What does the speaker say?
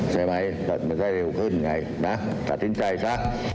ใช่ไหมมันก็เร็วขึ้นไงนะตัดสินใจซะ